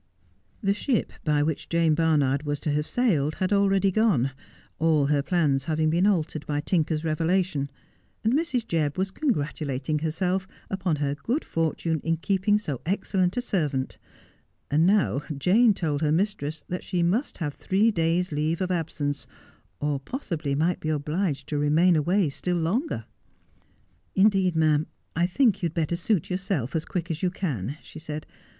The ship by which Jane Barnard was to have sailed had already gone, all her plans having been altered by Tinker's reve lation ; and Mrs. Jebb was congratulating herself upon her good fortune in keepina: so excellent a servant ; and now Jane told her mistress that she must have three days' leave of absence, or possibly might be obliged to remain away still longer. 'Indeed, ma'am, I think you'd better suit yourself, as quick as you can,' she said.